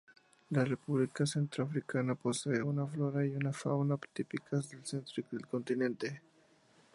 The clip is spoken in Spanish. La República Centroafricana posee una flora y una fauna típicas del centro del continente.